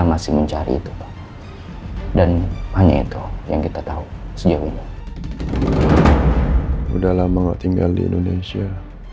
masih mencari itu pak dan hanya itu yang kita tahu sejauh ini udah lama tinggal di indonesia